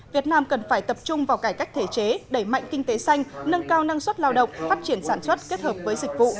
việt nam cần phải tập trung vào cải cách thể chế đẩy mạnh kinh tế xanh nâng cao năng suất lao động phát triển sản xuất kết hợp với dịch vụ